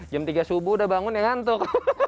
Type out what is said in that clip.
jam tiga subuh udah bangun ya ngantuk